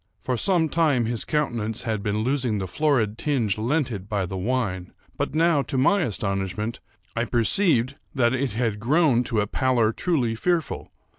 For some time his countenance had been losing the florid tinge lent it by the wine; but now, to my astonishment, I perceived that it had grown to a pallor truly fearful.